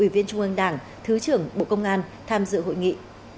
ủy viên trung ương đảng thứ trưởng bộ công an tham dự hội nghị